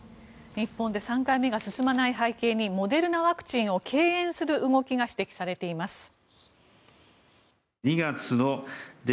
日本で３回目が進まない背景にモデルナワクチンを敬遠する動きが指摘されています。